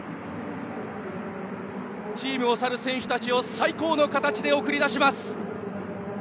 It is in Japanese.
チームを去る選手たちを最高の形で送り出します。